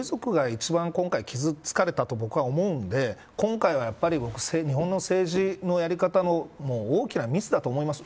一番、今回傷つかれたと僕は思うので今回は日本の政治のやり方の大きなミスだと思います。